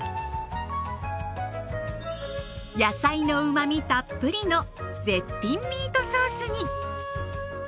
野菜のうまみたっぷりの絶品ミートソースに。